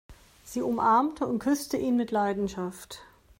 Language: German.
Sie umarmte und küsste ihn mit Leidenschaft.